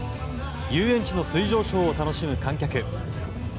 遊園地の水上ショーを楽しむ観客。